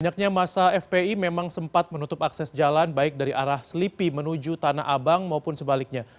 banyaknya masa fpi memang sempat menutup akses jalan baik dari arah selipi menuju tanah abang maupun sebaliknya